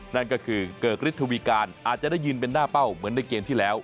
นั่นก็คือเกิกฤทธวีการอาจจะได้ยินเป็นหน้าเป้าเหมือนในเกมที่แล้ว